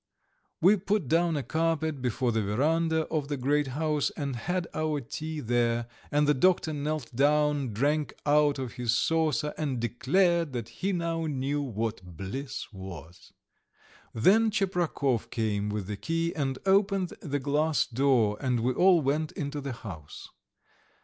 We put down a carpet before the verandah of the great house and had our tea there, and the doctor knelt down, drank out of his saucer, and declared that he now knew what bliss was. Then Tcheprakov came with the key and opened the glass door, and we all went into the house.